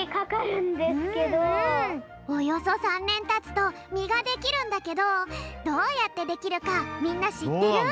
およそ３年たつとみができるんだけどどうやってできるかみんなしってる？